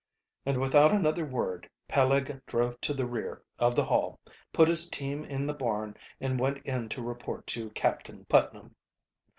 And without another word Peleg drove to the rear of the Hall, put his team in the barn, and went in to report to Captain Putnam.